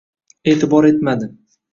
E’tibor etmadi.